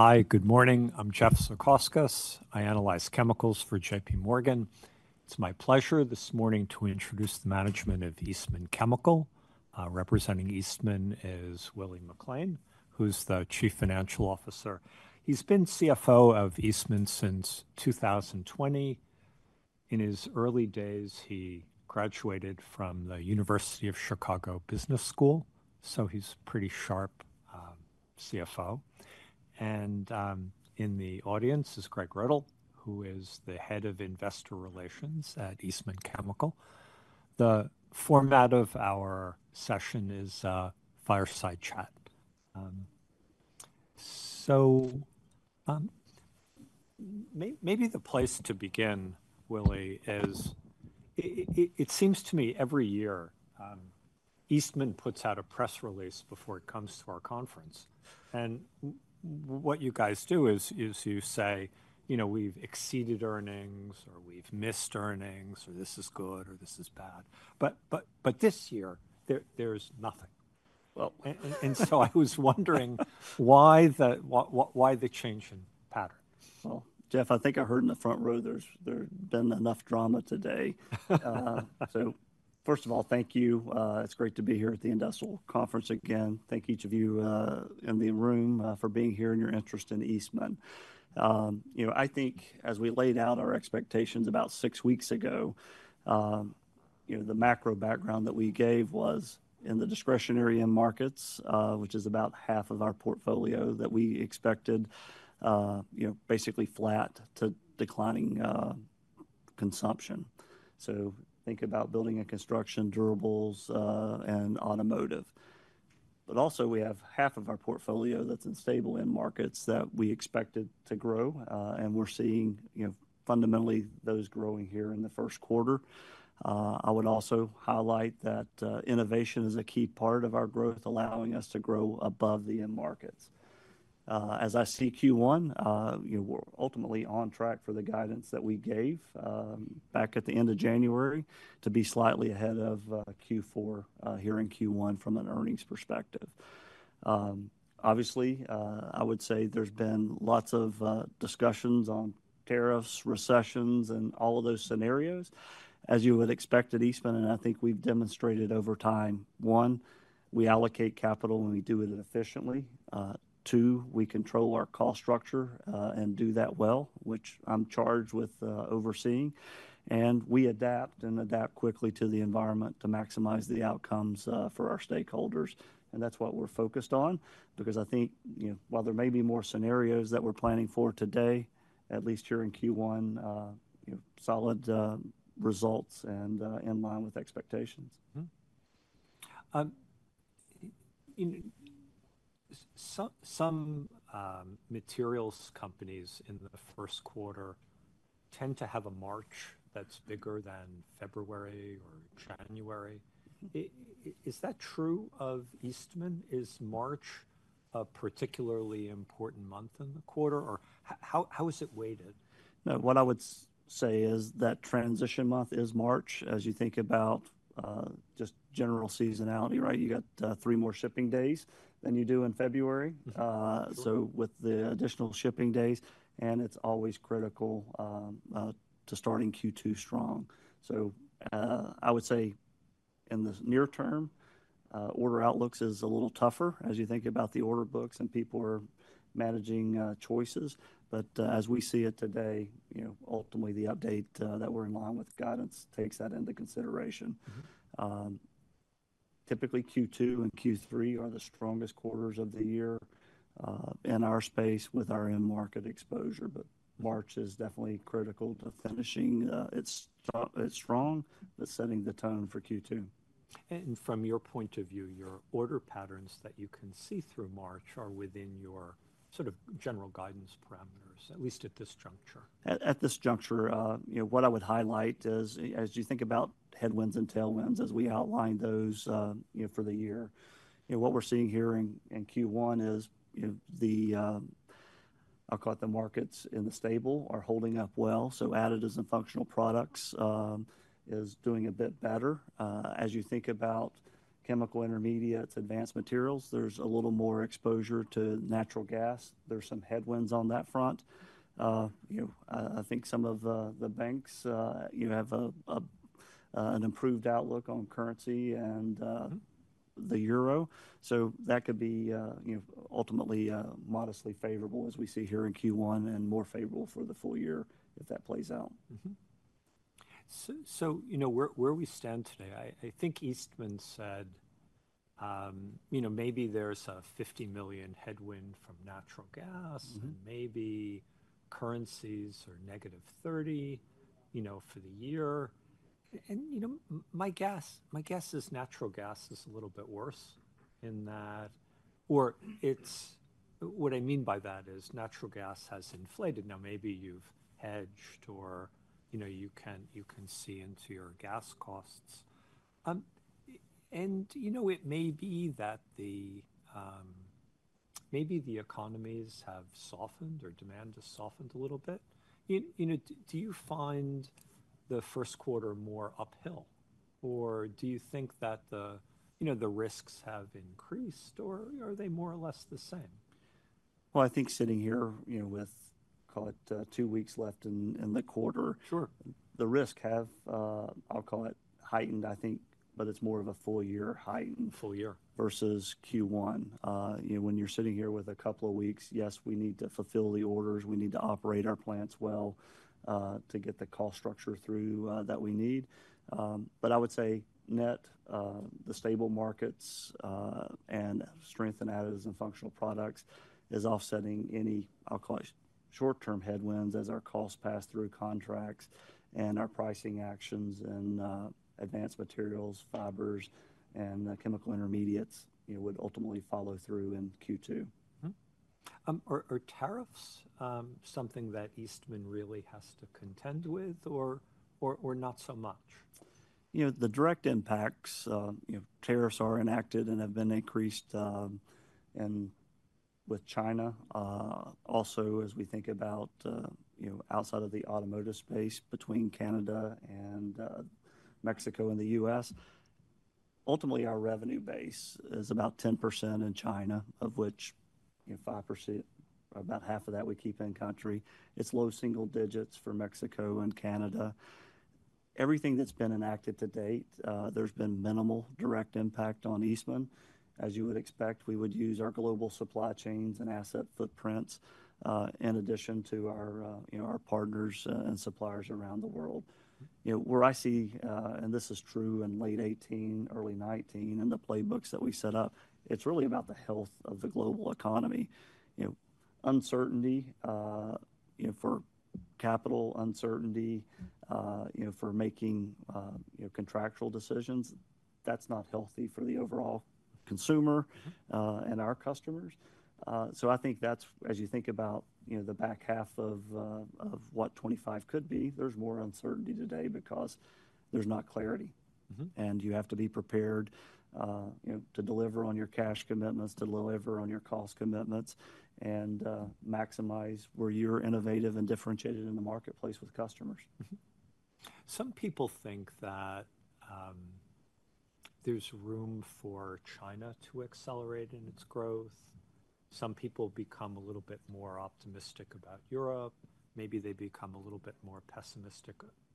Hi, good morning. I'm Jeff Zekauskas. I analyze chemicals for JP Morgan. It's my pleasure this morning to introduce the management of Eastman Chemical. Representing Eastman is William McLain, who's the Chief Financial Officer. He's been CFO of Eastman since 2020. In his early days, he graduated from the University of Chicago Business School, so he's a pretty sharp CFO. In the audience is Greg Riddle, who is the Head of Investor Relations at Eastman Chemical. The format of our session is fireside chat. Maybe the place to begin, Willie, is it seems to me every year Eastman puts out a press release before it comes to our conference. What you guys do is you say, you know, we've exceeded earnings, or we've missed earnings, or this is good, or this is bad. This year, there's nothing. I was wondering why the change in pattern? Jeff, I think I heard in the front row there's been enough drama today. First of all, thank you. It's great to be here at the Industrial Conference again. Thank each of you in the room for being here and your interest in Eastman. You know, I think as we laid out our expectations about six weeks ago, you know, the macro background that we gave was in the discretionary end markets, which is about half of our portfolio, that we expected, you know, basically flat to declining consumption. Think about building and construction, durables, and automotive. Also, we have half of our portfolio that's in stable end markets that we expected to grow. We're seeing, you know, fundamentally those growing here in the first quarter. I would also highlight that innovation is a key part of our growth, allowing us to grow above the end markets. As I see Q1, you know, we're ultimately on track for the guidance that we gave back at the end of January to be slightly ahead of Q4 here in Q1 from an earnings perspective. Obviously, I would say there's been lots of discussions on tariffs, recessions, and all of those scenarios. As you would expect at Eastman, and I think we've demonstrated over time, one, we allocate capital and we do it efficiently. Two, we control our cost structure and do that well, which I'm charged with overseeing. We adapt and adapt quickly to the environment to maximize the outcomes for our stakeholders. That is what we're focused on because I think, you know, while there may be more scenarios that we're planning for today, at least here in Q1, you know, solid results and in line with expectations. Some materials companies in the first quarter tend to have a March that is bigger than February or January. Is that true of Eastman? Is March a particularly important month in the quarter? Or how is it weighted? What I would say is that transition month is March. As you think about just general seasonality, right, you got three more shipping days than you do in February. With the additional shipping days, and it's always critical to starting Q2 strong. I would say in the near term, order outlooks is a little tougher as you think about the order books and people are managing choices. As we see it today, you know, ultimately the update that we're in line with guidance takes that into consideration. Typically, Q2 and Q3 are the strongest quarters of the year in our space with our end market exposure. March is definitely critical to finishing it strong, but setting the tone for Q2. From your point of view, your order patterns that you can see through March are within your sort of general guidance parameters, at least at this juncture. At this juncture, you know, what I would highlight is as you think about headwinds and tailwinds, as we outline those, you know, for the year, you know, what we're seeing here in Q1 is, you know, the, I'll call it the markets in the stable are holding up well. Additives and functional products is doing a bit better. As you think about chemical intermediates, advanced materials, there's a little more exposure to natural gas. There's some headwinds on that front. You know, I think some of the banks, you have an improved outlook on currency and the euro. That could be, you know, ultimately modestly favorable as we see here in Q1 and more favorable for the full year if that plays out. You know, where we stand today, I think Eastman said, you know, maybe there's a $50 million headwind from natural gas and maybe currencies are negative $30 million, you know, for the year. You know, my guess, my guess is natural gas is a little bit worse than that, or it's, what I mean by that is natural gas has inflated. Now, maybe you've hedged or, you know, you can see into your gas costs. You know, it may be that the, maybe the economies have softened or demand has softened a little bit. You know, do you find the first quarter more uphill? Or do you think that the, you know, the risks have increased or are they more or less the same? I think sitting here, you know, with, call it 2 weeks left in the quarter, the risks have, I'll call it heightened, I think, but it's more of a full year heightened. Full year. Versus Q1. You know, when you're sitting here with a couple of weeks, yes, we need to fulfill the orders. We need to operate our plants well to get the cost structure through that we need. I would say net, the stable markets and strength in additives and functional products is offsetting any, I'll call it short-term headwinds as our costs pass through contracts and our pricing actions and advanced materials, fibers, and chemical intermediates, you know, would ultimately follow through in Q2. Are tariffs something that Eastman really has to contend with or not so much? You know, the direct impacts, you know, tariffs are enacted and have been increased with China. Also, as we think about, you know, outside of the automotive space between Canada and Mexico and the U.S., ultimately our revenue base is about 10% in China, of which, you know, 5%, about half of that we keep in country. It's low single digits for Mexico and Canada. Everything that's been enacted to date, there's been minimal direct impact on Eastman. As you would expect, we would use our global supply chains and asset footprints in addition to our, you know, our partners and suppliers around the world. You know, where I see, and this is true in late 2018, early 2019, and the playbooks that we set up, it's really about the health of the global economy. You know, uncertainty, you know, for capital uncertainty, you know, for making, you know, contractual decisions, that's not healthy for the overall consumer and our customers. I think that's, as you think about, you know, the back half of what 2025 could be, there's more uncertainty today because there's not clarity. You have to be prepared, you know, to deliver on your cash commitments, to deliver on your cost commitments, and maximize where you're innovative and differentiated in the marketplace with customers. Some people think that there's room for China to accelerate in its growth. Some people become a little bit more optimistic about Europe. Maybe they become a little bit more pessimistic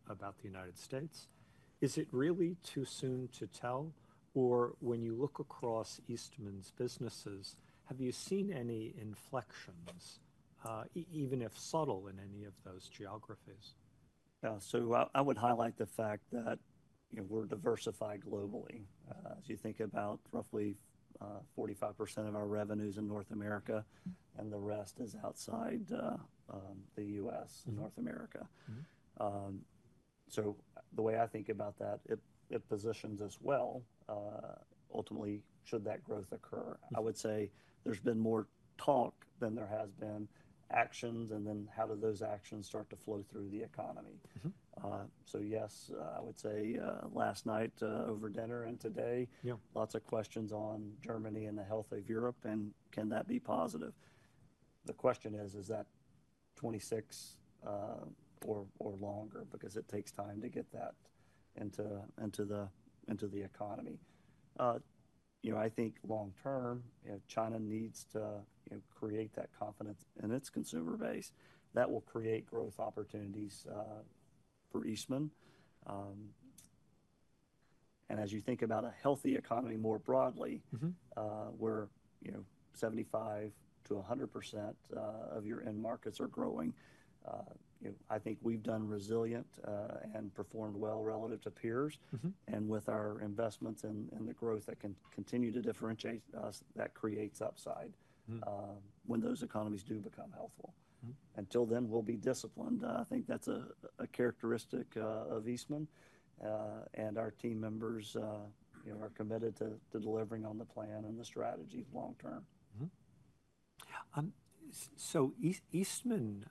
about the United States. Is it really too soon to tell? Or when you look across Eastman's businesses, have you seen any inflections, even if subtle, in any of those geographies? I would highlight the fact that, you know, we're diversified globally. As you think about roughly 45% of our revenues in North America and the rest is outside the U.S. and North America. The way I think about that, it positions us well ultimately should that growth occur. I would say there's been more talk than there has been actions. How do those actions start to flow through the economy? Yes, I would say last night over dinner and today, lots of questions on Germany and the health of Europe. Can that be positive? The question is, is that 2026 or longer? Because it takes time to get that into the economy. You know, I think long term, you know, China needs to create that confidence in its consumer base. That will create growth opportunities for Eastman. As you think about a healthy economy more broadly, where, you know, 75% to 100% of your end markets are growing, you know, I think we've done resilient and performed well relative to peers. With our investments and the growth that can continue to differentiate us, that creates upside when those economies do become healthful. Until then, we'll be disciplined. I think that's a characteristic of Eastman. Our team members, you know, are committed to delivering on the plan and the strategy long term. Eastman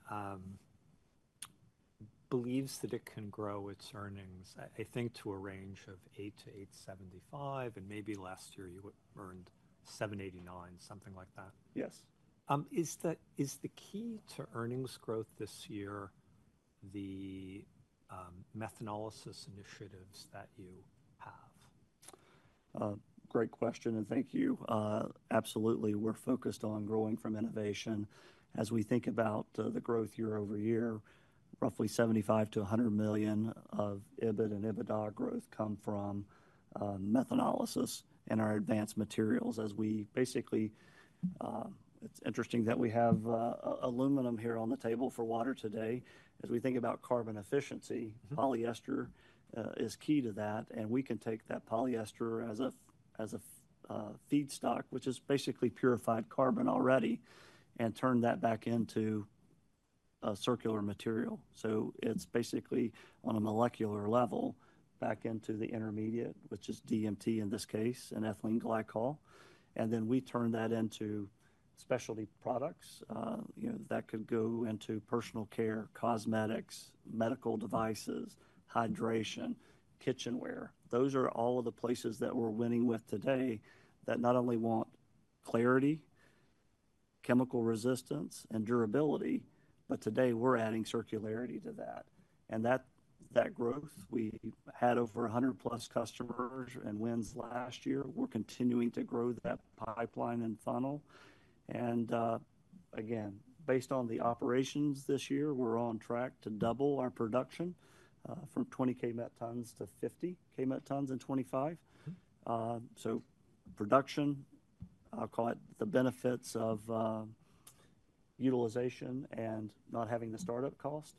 believes that it can grow its earnings, I think to a range of $8 to 8.75 billion. And maybe last year you earned $7.89 billion, something like that. Yes. Is the key to earnings growth this year the methanolysis initiatives that you have? Great question. Thank you. Absolutely. We're focused on growing from innovation. As we think about the growth year over year, roughly $75 to 100 million of EBIT and EBITDA growth come from methanolysis and our advanced materials. As we basically, it's interesting that we have aluminum here on the table for water today. As we think about carbon efficiency, polyester is key to that. We can take that polyester as a feedstock, which is basically purified carbon already, and turn that back into a circular material. It's basically on a molecular level back into the intermediate, which is DMT in this case, and ethylene glycol. Then we turn that into specialty products, you know, that could go into personal care, cosmetics, medical devices, hydration, kitchenware. Those are all of the places that we're winning with today that not only want clarity, chemical resistance, and durability, but today we're adding circularity to that. That growth, we had over 100 plus customers and wins last year. We're continuing to grow that pipeline and funnel. Again, based on the operations this year, we're on track to double our production from 20 to 50 kmt in 2025. Production, I'll call it the benefits of utilization and not having the startup cost,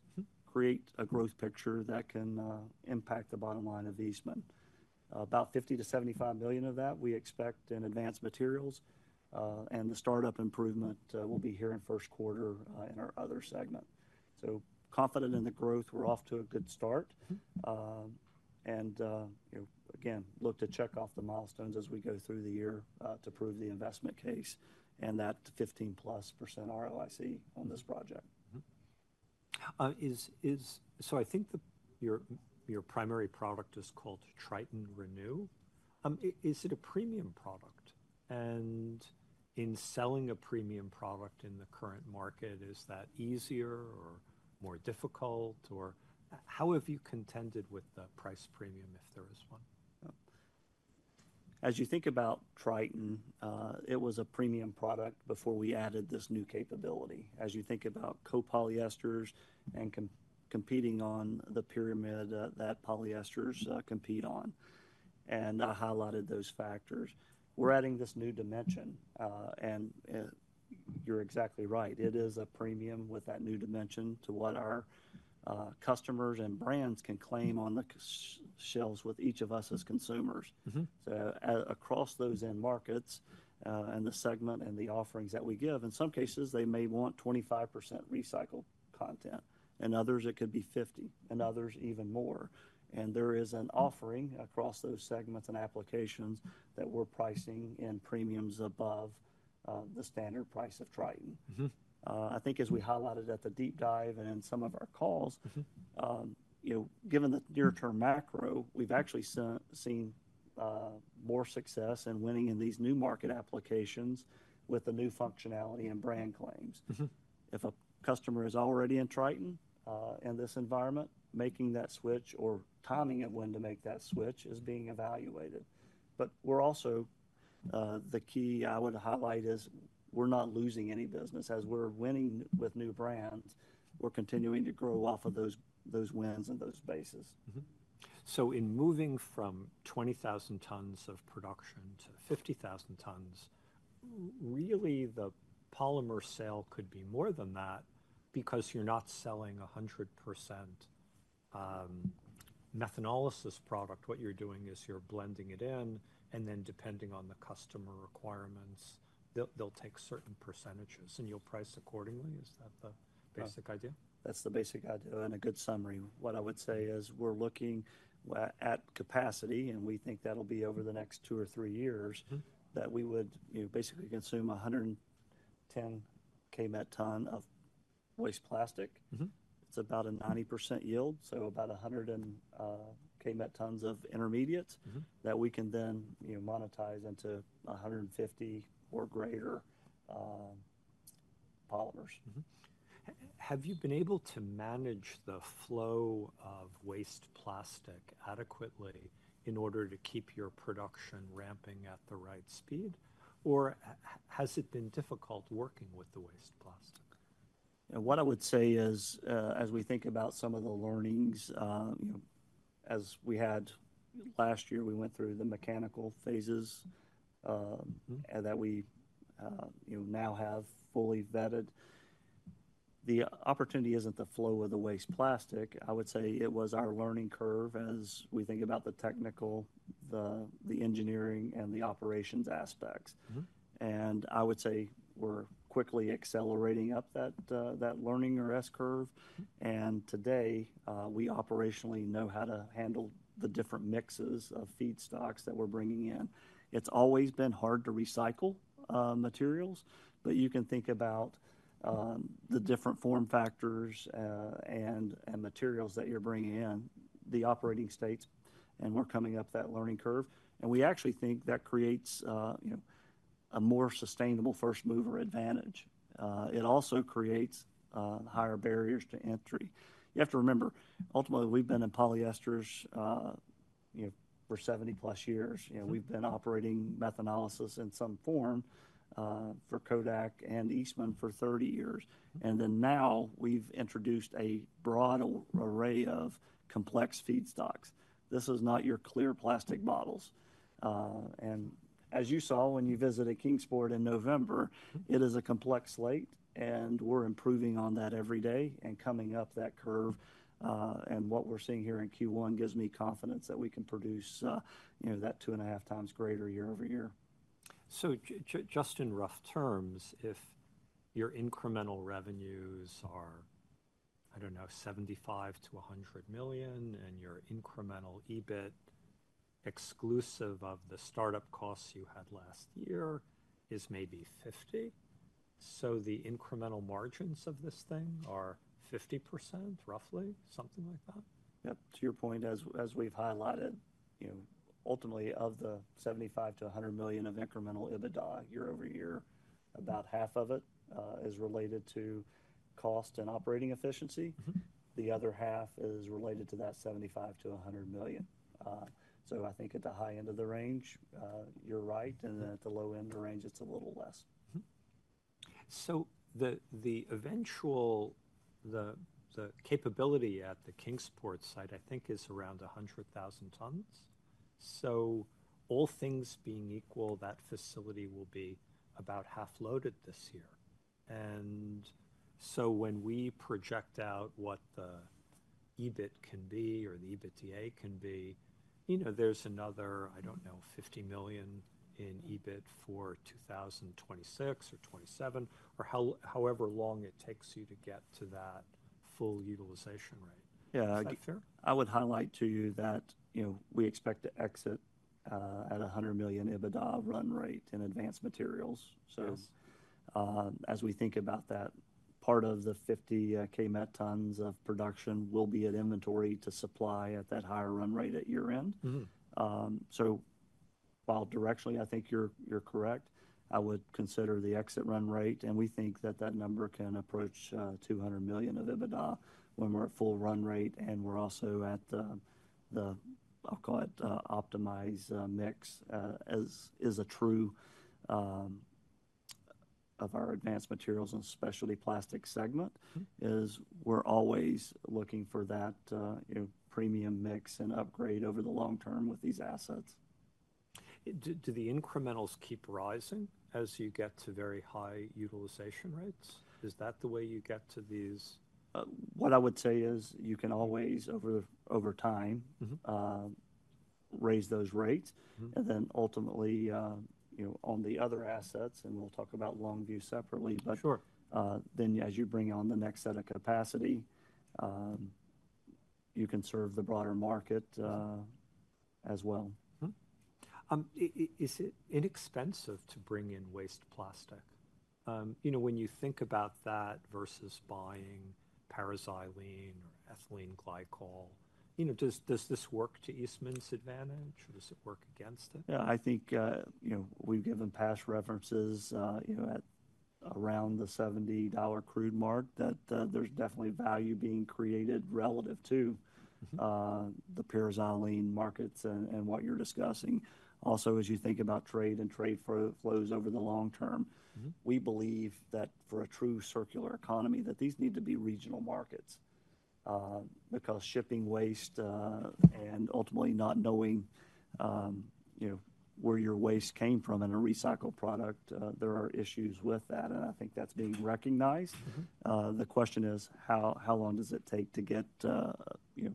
create a growth picture that can impact the bottom line of Eastman. About $50 to 75 million of that we expect in advanced materials. The startup improvement will be here in first quarter in our other segment. Confident in the growth, we're off to a good start. You know, again, look to check off the milestones as we go through the year to prove the investment case and that 15% plus ROIC on this project. I think your primary product is called Triton Renew. Is it a premium product? And in selling a premium product in the current market, is that easier or more difficult? Or how have you contended with the price premium if there is one? As you think about Triton, it was a premium product before we added this new capability. As you think about co-polyesters and competing on the pyramid that polyesters compete on. I highlighted those factors. We are adding this new dimension. You are exactly right. It is a premium with that new dimension to what our customers and brands can claim on the shelves with each of us as consumers. Across those end markets and the segment and the offerings that we give, in some cases, they may want 25% recycled content. In others, it could be 50%. In others, even more. There is an offering across those segments and applications that we are pricing in premiums above the standard price of Triton. I think as we highlighted at the deep dive and in some of our calls, you know, given the near-term macro, we've actually seen more success in winning in these new market applications with the new functionality and brand claims. If a customer is already in Triton in this environment, making that switch or timing of when to make that switch is being evaluated. The key I would highlight is we're not losing any business. As we're winning with new brands, we're continuing to grow off of those wins and those bases. In moving from 20,000 to 50,000 tons of production, really the polymer sale could be more than that because you're not selling 100% methanolysis product. What you're doing is you're blending it in. And then depending on the customer requirements, they'll take certain percentages and you'll price accordingly. Is that the basic idea? That's the basic idea. A good summary. What I would say is we're looking at capacity and we think that'll be over the next two or three years that we would, you know, basically consume 110 kmt of waste plastic. It's about a 90% yield. So about 100 kmt of intermediates that we can then, you know, monetize into 150 or greater polymers. Have you been able to manage the flow of waste plastic adequately in order to keep your production ramping at the right speed? Or has it been difficult working with the waste plastic? What I would say is as we think about some of the learnings, you know, as we had last year, we went through the mechanical phases that we, you know, now have fully vetted. The opportunity is not the flow of the waste plastic. I would say it was our learning curve as we think about the technical, the engineering, and the operations aspects. I would say we're quickly accelerating up that learning or S-curve. Today we operationally know how to handle the different mixes of feedstocks that we're bringing in. It's always been hard to recycle materials, but you can think about the different form factors and materials that you're bringing in, the operating states. We're coming up that learning curve. We actually think that creates, you know, a more sustainable first mover advantage. It also creates higher barriers to entry. You have to remember ultimately we've been in polyesters, you know, for +70 years. You know, we've been operating methanolysis in some form for Kodak and Eastman for 30 years. Now we've introduced a broad array of complex feedstocks. This is not your clear plastic bottles. As you saw when you visited Kingsport in November, it is a complex slate and we're improving on that every day and coming up that curve. What we're seeing here in Q1 gives me confidence that we can produce, you know, that 2.5x greater year-over-year. Just in rough terms, if your incremental revenues are, I don't know, $75 to 100 million and your incremental EBIT exclusive of the startup costs you had last year is maybe $50 million. So the incremental margins of this thing are 50% roughly, something like that? Yep. To your point, as we've highlighted, you know, ultimately of the $75 to 100 million of incremental EBITDA year over year, about half of it is related to cost and operating efficiency. The other half is related to that $75 to 100 million. I think at the high end of the range, you're right. At the low end of the range, it's a little less. The eventual, the capability at the Kingsport site, I think is around 100,000 tons. All things being equal, that facility will be about half loaded this year. When we project out what the EBIT can be or the EBITDA can be, you know, there's another, I don't know, $50 million in EBIT for 2026 or 2027 or however long it takes you to get to that full utilization rate. Is that fair? Yeah. I would highlight to you that, you know, we expect to exit at a $100 million EBITDA run rate in advanced materials. As we think about that, part of the 50 kmt of production will be at inventory to supply at that higher run rate at year end. While directionally, I think you're correct, I would consider the exit run rate. We think that that number can approach $200 million of EBITDA when we're at full run rate. We're also at the, I'll call it, optimized mix as a true of our advanced materials and specialty plastics segment is we're always looking for that, you know, premium mix and upgrade over the long term with these assets. Do the incrementals keep rising as you get to very high utilization rates? Is that the way you get to these? What I would say is you can always over time raise those rates. Ultimately, you know, on the other assets, and we will talk about Longview separately, but as you bring on the next set of capacity, you can serve the broader market as well. Is it inexpensive to bring in waste plastic? You know, when you think about that versus buying paraxylene or ethylene glycol, you know, does this work to Eastman's advantage or does it work against it? Yeah. I think, you know, we've given past references, you know, at around the $70 crude mark that there's definitely value being created relative to the paraxylene markets and what you're discussing. Also, as you think about trade and trade flows over the long term, we believe that for a true circular economy, that these need to be regional markets because shipping waste and ultimately not knowing, you know, where your waste came from in a recycled product, there are issues with that. I think that's being recognized. The question is how long does it take to get, you know,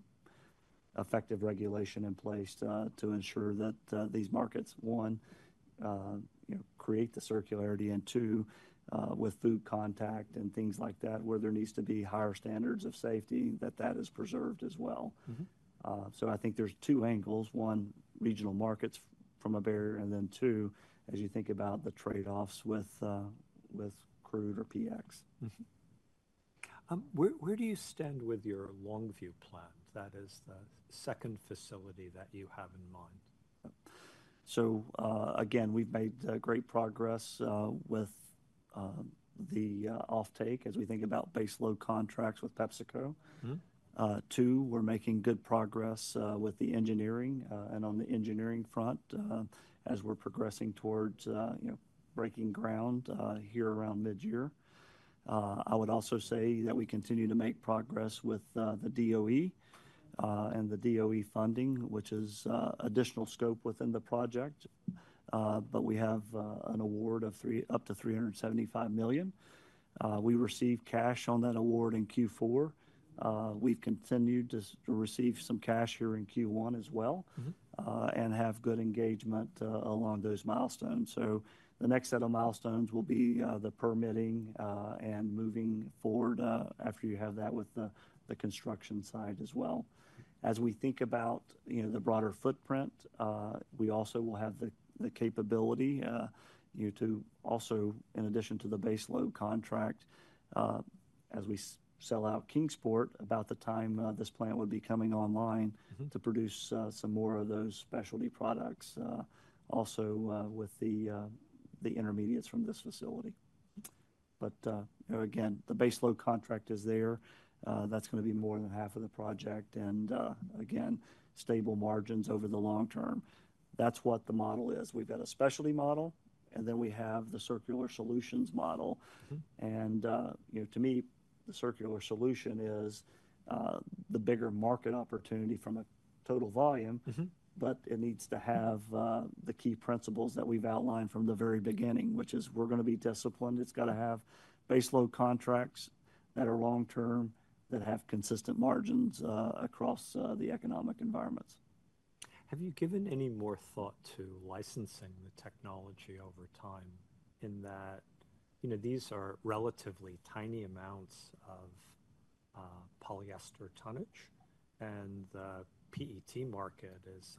effective regulation in place to ensure that these markets, one, you know, create the circularity and two, with food contact and things like that, where there needs to be higher standards of safety that that is preserved as well. I think there's two angles. One, regional markets form a barrier. Two, as you think about the trade-offs with crude or PX. Where do you stand with your Longview plant? That is the second facility that you have in mind. Again, we've made great progress with the offtake as we think about base load contracts with PepsiCo. Two, we're making good progress with the engineering and on the engineering front as we're progressing towards, you know, breaking ground here around mid-year. I would also say that we continue to make progress with the DOE and the DOE funding, which is additional scope within the project. We have an award of up to $375 million. We received cash on that award in Q4. We've continued to receive some cash here in Q1 as well and have good engagement along those milestones. The next set of milestones will be the permitting and moving forward after you have that with the construction side as well. As we think about, you know, the broader footprint, we also will have the capability, you know, to also, in addition to the base load contract, as we sell out Kingsport, about the time this plant would be coming online to produce some more of those specialty products also with the intermediates from this facility. Again, the base load contract is there. That's going to be more than half of the project. Again, stable margins over the long term. That's what the model is. We've got a specialty model. Then we have the circular solutions model. You know, to me, the circular solution is the bigger market opportunity from a total volume, but it needs to have the key principles that we've outlined from the very beginning, which is we're going to be disciplined. It's got to have base load contracts that are long term, that have consistent margins across the economic environments. Have you given any more thought to licensing the technology over time in that, you know, these are relatively tiny amounts of polyester tonnage and the PET market is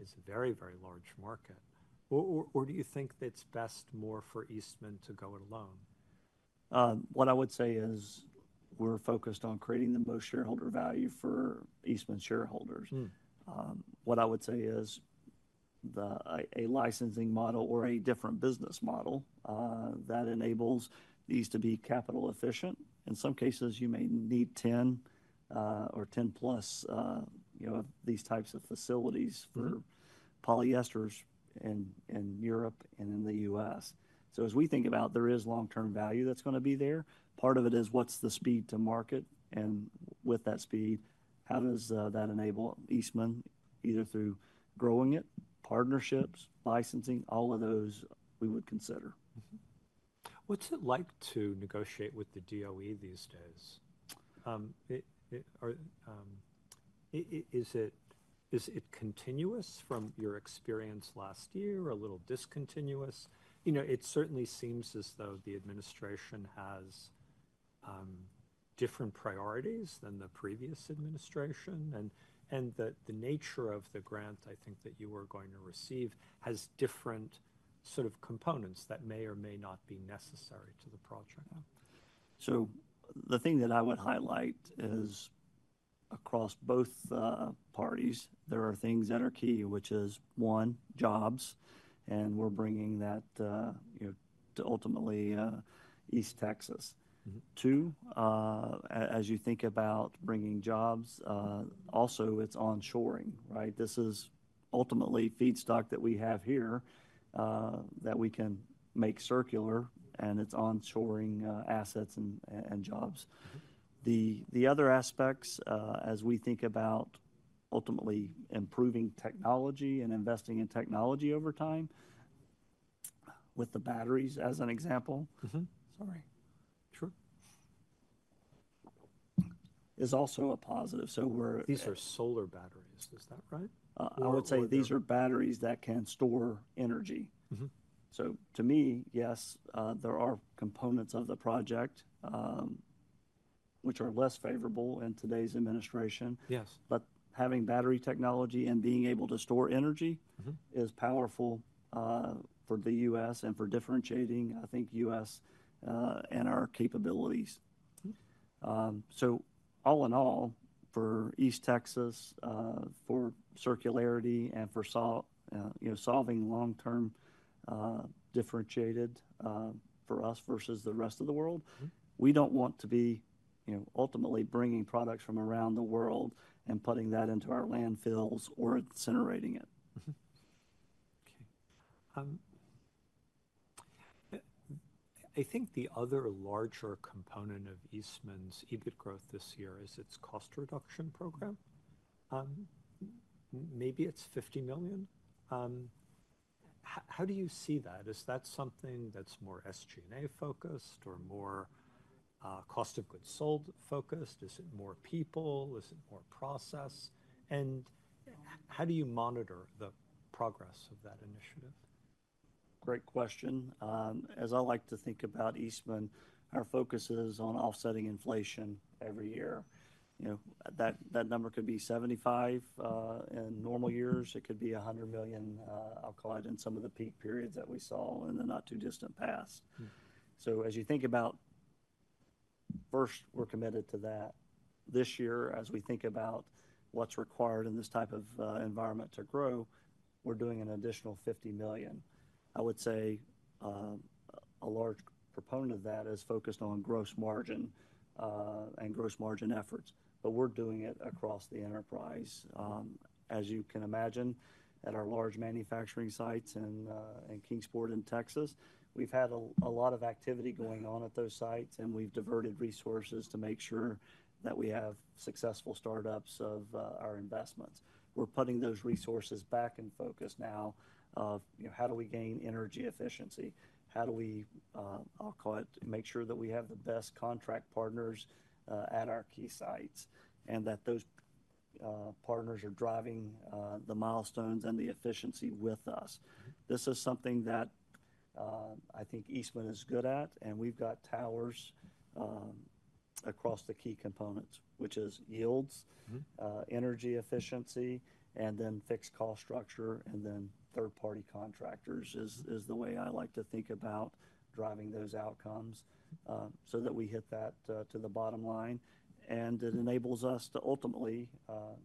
a very, very large market? Or do you think it's best more for Eastman to go it alone? What I would say is we're focused on creating the most shareholder value for Eastman shareholders. What I would say is a licensing model or a different business model that enables these to be capital efficient. In some cases, you may need 10 or 10+, you know, these types of facilities for polyesters in Europe and in the U.S. As we think about it, there is long term value that's going to be there. Part of it is what's the speed to market? With that speed, how does that enable Eastman either through growing it, partnerships, licensing, all of those we would consider. What's it like to negotiate with the DOE these days? Is it continuous from your experience last year or a little discontinuous? You know, it certainly seems as though the administration has different priorities than the previous administration. The nature of the grant I think that you are going to receive has different sort of components that may or may not be necessary to the project. The thing that I would highlight is across both parties, there are things that are key, which is one, jobs. We are bringing that, you know, to ultimately East Texas. Two, as you think about bringing jobs, also it is onshoring, right? This is ultimately feedstock that we have here that we can make circular and it is onshoring assets and jobs. The other aspects as we think about ultimately improving technology and investing in technology over time with the batteries as an example. Sorry. Sure. Is also a positive. We're. These are solar batteries. Is that right? I would say these are batteries that can store energy. To me, yes, there are components of the project which are less favorable in today's administration. Having battery technology and being able to store energy is powerful for the U.S. and for differentiating, I think, U.S. and our capabilities. All in all, for East Texas, for circularity and for, you know, solving long term differentiated for us versus the rest of the world, we do not want to be, you know, ultimately bringing products from around the world and putting that into our landfills or incinerating it. Okay. I think the other larger component of Eastman's EBIT growth this year is its cost reduction program. Maybe it's $50 million. How do you see that? Is that something that's more SG&A focused or more cost of goods sold focused? Is it more people? Is it more process? And how do you monitor the progress of that initiative? Great question. As I like to think about Eastman, our focus is on offsetting inflation every year. You know, that number could be 75 in normal years. It could be $100 million, I'll call it, in some of the peak periods that we saw in the not too distant past. As you think about, first, we're committed to that. This year, as we think about what's required in this type of environment to grow, we're doing an additional $50 million. I would say a large component of that is focused on gross margin and gross margin efforts. We're doing it across the enterprise. As you can imagine, at our large manufacturing sites in Kingsport in Texas, we've had a lot of activity going on at those sites and we've diverted resources to make sure that we have successful startups of our investments. We're putting those resources back in focus now of, you know, how do we gain energy efficiency? How do we, I'll call it, make sure that we have the best contract partners at our key sites and that those partners are driving the milestones and the efficiency with us? This is something that I think Eastman is good at. And we've got towers across the key components, which is yields, energy efficiency, and then fixed cost structure and then third party contractors is the way I like to think about driving those outcomes so that we hit that to the bottom line. It enables us to ultimately,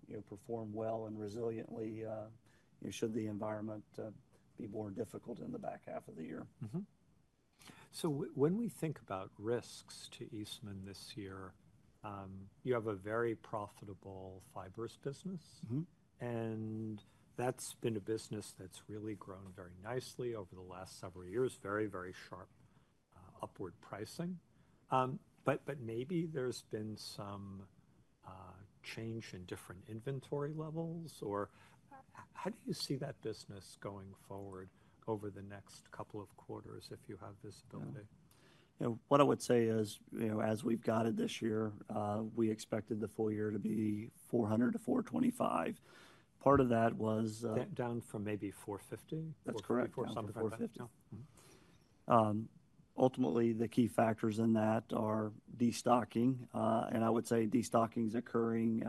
you know, perform well and resiliently, you know, should the environment be more difficult in the back half of the year. When we think about risks to Eastman this year, you have a very profitable fibers business. And that's been a business that's really grown very nicely over the last several years, very, very sharp upward pricing. Maybe there's been some change in different inventory levels or how do you see that business going forward over the next couple of quarters if you have visibility? Yeah. You know, what I would say is, you know, as we've got it this year, we expected the full year to be $400 to 425 million. Part of that was. Down from maybe 450. That's correct. 450. Ultimately, the key factors in that are destocking. I would say destocking is occurring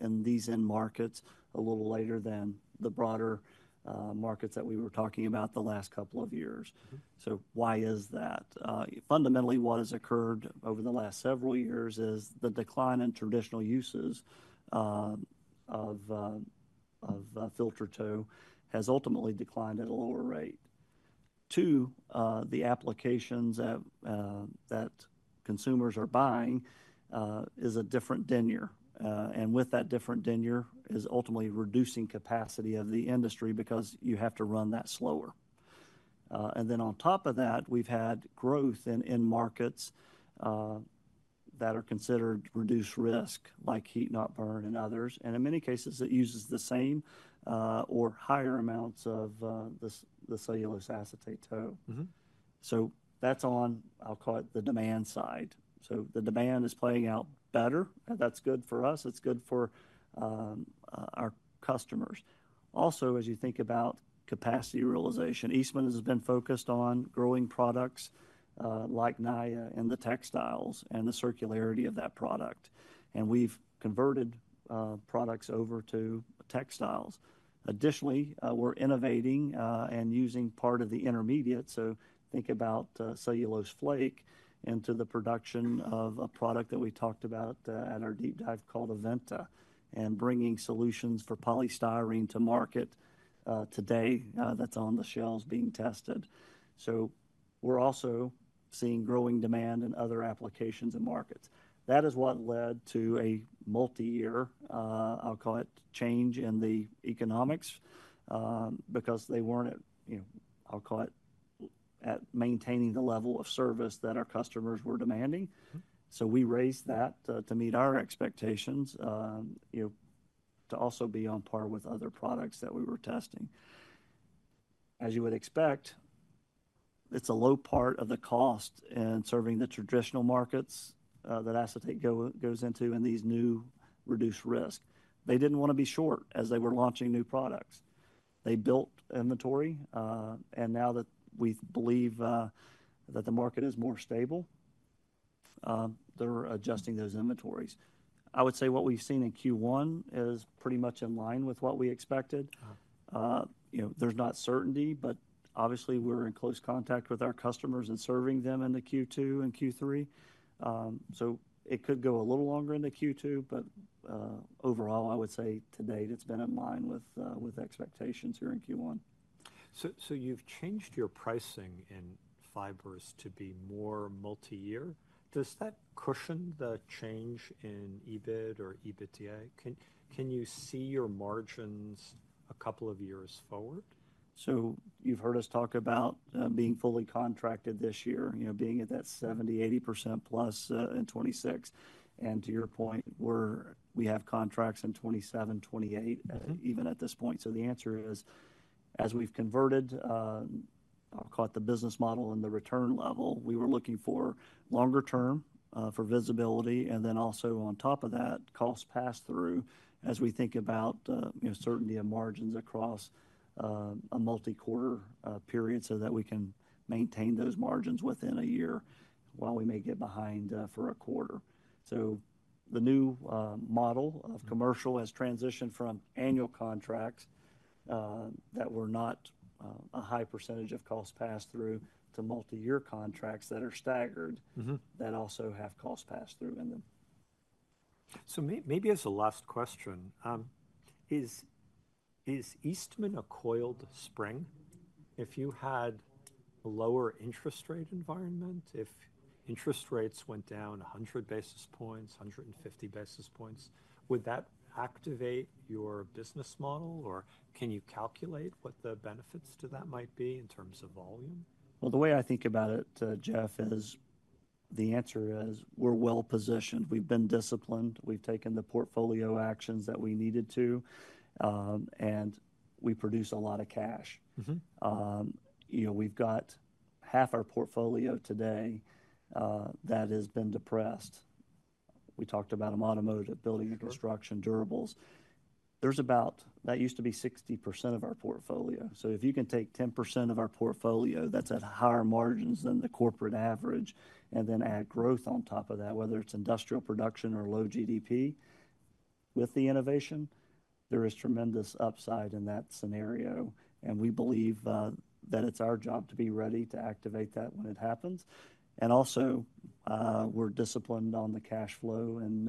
in these end markets a little later than the broader markets that we were talking about the last couple of years. Why is that? Fundamentally, what has occurred over the last several years is the decline in traditional uses of filter tow has ultimately declined at a lower rate. Two, the applications that consumers are buying is a different denier. With that different denier, it is ultimately reducing capacity of the industry because you have to run that slower. On top of that, we have had growth in end markets that are considered reduced risk like heat not burn and others. In many cases, it uses the same or higher amounts of the cellulose acetate tow. That is on, I'll call it, the demand side. The demand is playing out better. That's good for us. It's good for our customers. Also, as you think about capacity realization, Eastman has been focused on growing products like Naia and the textiles and the circularity of that product. We've converted products over to textiles. Additionally, we're innovating and using part of the intermediate. Think about cellulose flake into the production of a product that we talked about at our deep dive called Aventa and bringing solutions for polystyrene to market today that's on the shelves being tested. We're also seeing growing demand in other applications and markets. That is what led to a multi-year, I'll call it, change in the economics because they weren't, you know, I'll call it, at maintaining the level of service that our customers were demanding. We raised that to meet our expectations, you know, to also be on par with other products that we were testing. As you would expect, it's a low part of the cost in serving the traditional markets that acetate goes into and these new reduced risk. They did not want to be short as they were launching new products. They built inventory. Now that we believe that the market is more stable, they're adjusting those inventories. I would say what we've seen in Q1 is pretty much in line with what we expected. You know, there's not certainty, but obviously we're in close contact with our customers and serving them in Q2 and Q3. It could go a little longer in Q2, but overall, I would say today it's been in line with expectations here in Q1. You've changed your pricing in fibers to be more multi-year. Does that cushion the change in EBIT or EBITDA? Can you see your margins a couple of years forward? You have heard us talk about being fully contracted this year, you know, being at that 70-80% plus in 2026. To your point, we have contracts in 2027, 2028, even at this point. The answer is, as we have converted, I will call it the business model and the return level, we were looking for longer term for visibility. Also on top of that, cost pass through as we think about, you know, certainty of margins across a multi-quarter period so that we can maintain those margins within a year while we may get behind for a quarter. The new model of commercial has transitioned from annual contracts that were not a high percentage of cost pass through to multi-year contracts that are staggered that also have cost pass through in them. Maybe as a last question, is Eastman a coiled spring? If you had a lower interest rate environment, if interest rates went down 100 basis points, 150 basis points, would that activate your business model or can you calculate what the benefits to that might be in terms of volume? The way I think about it, Jeff, is the answer is we're well positioned. We've been disciplined. We've taken the portfolio actions that we needed to. We produce a lot of cash. You know, we've got half our portfolio today that has been depressed. We talked about them automotive, building and construction, durables. That used to be 60% of our portfolio. If you can take 10% of our portfolio, that's at higher margins than the corporate average, and then add growth on top of that, whether it's industrial production or low GDP with the innovation, there is tremendous upside in that scenario. We believe that it's our job to be ready to activate that when it happens. Also, we're disciplined on the cash flow and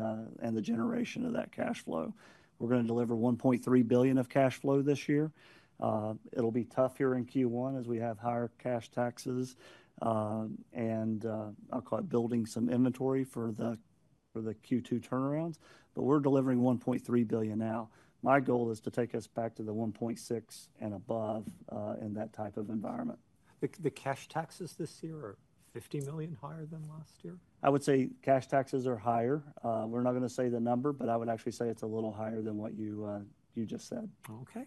the generation of that cash flow. We're going to deliver $1.3 billion of cash flow this year. It'll be tough here in Q1 as we have higher cash taxes. I'll call it building some inventory for the Q2 turnarounds. We're delivering $1.3 billion now. My goal is to take us back to the $1.6 billion and above in that type of environment. The cash taxes this year are $50 million higher than last year? I would say cash taxes are higher. We're not going to say the number, but I would actually say it's a little higher than what you just said. Okay.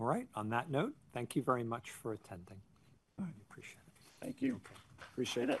All right. On that note, thank you very much for attending. All right. Appreciate it. Thank you. Appreciate it.